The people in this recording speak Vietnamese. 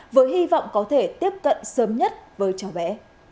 với hy vọng có thể tiếp cận sớm nhất với cháu bé